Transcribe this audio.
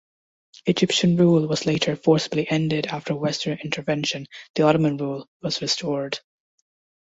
Egyptian rule was later forcibly ended after western intervention, the Ottoman rule was restored.